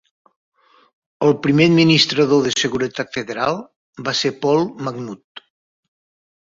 El primer Administrador de Seguretat Federal va ser Paul V. McNutt.